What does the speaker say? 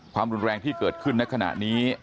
ความรุนแรงที่เกิดขึ้นในขณะนี้